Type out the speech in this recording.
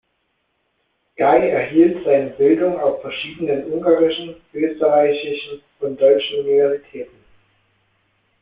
Gaj erhielt seine Bildung auf verschiedenen ungarischen, österreichischen und deutschen Universitäten.